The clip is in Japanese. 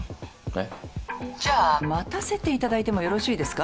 えっ？じゃあ待たせていただいてもよろしいですか？